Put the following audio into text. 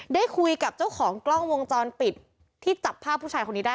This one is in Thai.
ได้คุยกับเจ้าของกล้องวงจรปิดที่จับภาพผู้ชายคนนี้ได้